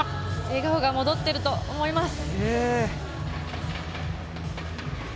笑顔が戻っていると思います。